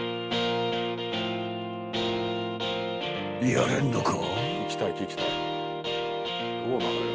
［やれんのか？］